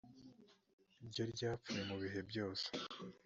rye ryapfuye ibihe byose